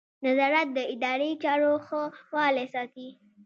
نظارت د اداري چارو ښه والی ساتي.